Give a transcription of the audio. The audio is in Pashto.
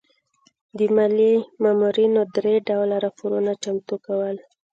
د مالیې مامورینو درې ډوله راپورونه چمتو کول.